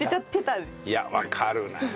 いやわかるなあ。